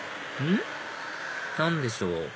うん？何でしょう？